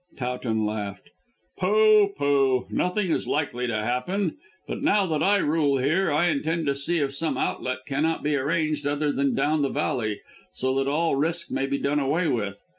Towton laughed. "Pooh, pooh! Nothing is likely to happen. But now that I rule here I intend to see if some outlet cannot be arranged other than down the valley, so that all risk may be done away with.